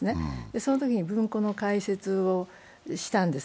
そのときに文庫の解説をしたんです。